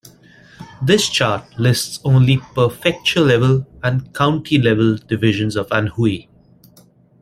This chart lists only prefecture-level and county-level divisions of Anhui.